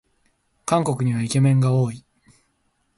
韓国にはイケメンが多い